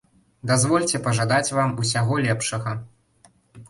Дазвольце пажадаць вам усяго лепшага.